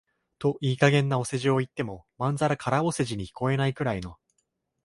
といい加減なお世辞を言っても、まんざら空お世辞に聞こえないくらいの、